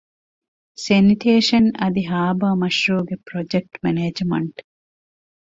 ސެނިޓޭޝަން އަދި ހާރބަރ މަޝްރޫޢުގެ ޕްރޮޖެކްޓް މެނޭޖްމަންޓް